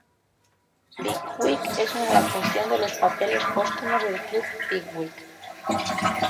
Pickwick en una adaptación de "Los papeles póstumos del Club Pickwick".